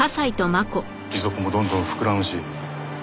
利息もどんどん膨らむし。